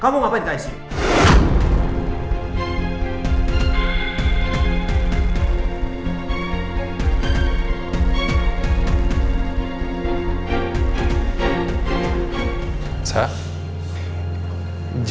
kamu ngapain diku isolate masuk ke icu